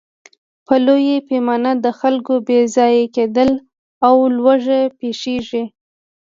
په لویه پیمانه د خلکو بېځایه کېدل او لوږه پېښېږي.